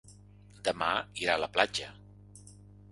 Demà irà a la platja.